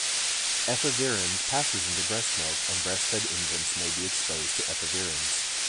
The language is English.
Efavirenz passes into breast milk and breast-fed infants may be exposed to efavirenz.